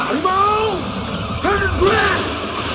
membuang talimu sendiri